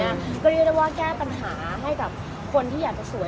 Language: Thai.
ก็เรียกได้ว่าแก้ปัญหาให้กับคนที่อยากจะสวย